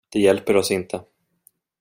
Det hjälper oss inte.